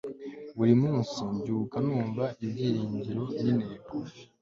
buri munsi mbyuka numva ibyiringiro n'intego